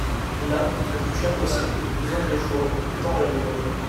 Là, le plus cher possible, viande de choix, tant la livre !…